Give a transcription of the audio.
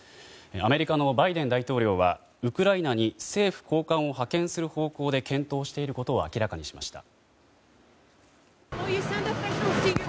アメリカのバイデン大統領はウクライナに政府高官を派遣する方向で検討していることを明らかにしました。